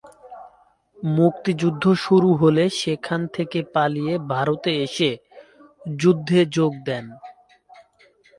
মুক্তিযুদ্ধ শুরু হলে সেখান থেকে পালিয়ে ভারতে এসে যুদ্ধে যোগ দেন।